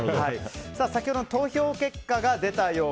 先ほどの投票結果が出ました。